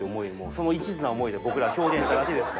その一途な思いで僕らは表現しただけですから。